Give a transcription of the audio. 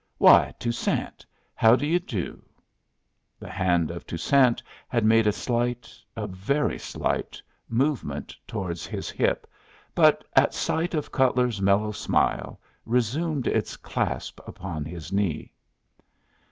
"Why, Toussaint, how do you do?" The hand of Toussaint had made a slight, a very slight, movement towards his hip, but at sight of Cutler's mellow smile resumed its clasp upon his knee.